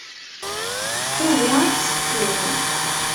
Tugi ad k-tettu.